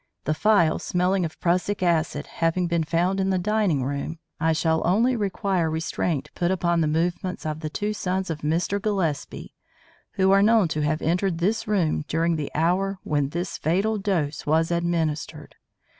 The phial smelling of prussic acid having been found in the dining room, I shall only require restraint put upon the movements of the two sons of Mr. Gillespie who are known to have entered this room during the hour when this fatal dose was administered.